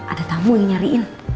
ada tamu yang nyariin